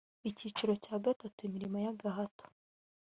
icyiciro cya gatatu imirimo y agahato